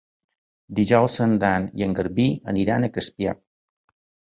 Dijous en Dan i en Garbí aniran a Crespià.